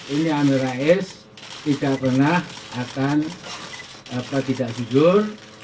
ini amin rais tidak pernah akan tidak jujur